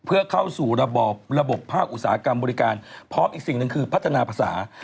เพื่อเข้าสู่ระบบระบบภาคอุตสาหกรรมบริการพร้อมอีกสิ่งหนึ่งคือพัฒนาภาษา